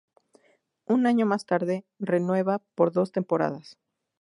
Un año más tarde, renueva por dos temporadas.